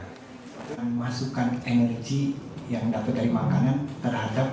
kita memasukkan energi yang dapat dari makanan terhadap